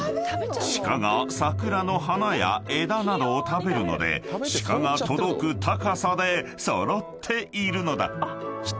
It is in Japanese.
鹿が桜の花や枝などを食べるので鹿が届く高さで揃っているのだ］